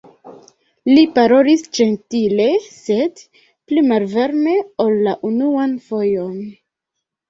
Li parolis ĝentile, sed pli malvarme ol la unuan fojon.